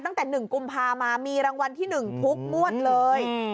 ตั้งแต่หนึ่งกุมภาคมมามีรางวัลที่หนึ่งทุกมวดเลย